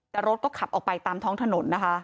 แต่รถก็ขับออกไปตามท้องถนนนะคะ